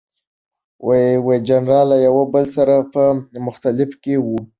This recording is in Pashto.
جنرالان له یو بل سره په مخالفت کې وو.